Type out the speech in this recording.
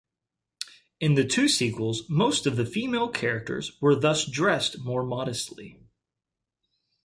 In the two sequels, most of the female characters were thus dressed more modestly.